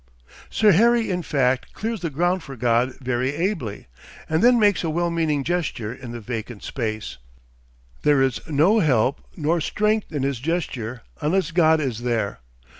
'" Sir Harry in fact clears the ground for God very ably, and then makes a well meaning gesture in the vacant space. There is no help nor strength in his gesture unless God is there.